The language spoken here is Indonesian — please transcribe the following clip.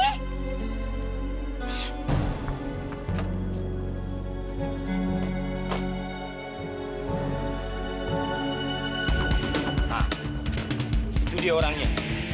nah itu dia orangnya